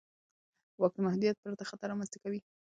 واک د محدودیت پرته خطر رامنځته کوي.